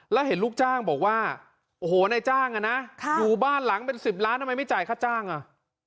แล้วเห็นลูกจ้างบอกว่าโอ้โหนายจ้างอ่ะนะอยู่บ้านหลังเป็น๑๐ล้านทำไมไม่จ่ายค่าจ้างอ่ะ